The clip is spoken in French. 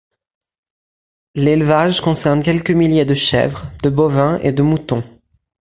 L’élevage concerne quelques milliers de chèvres, de bovins et de moutons.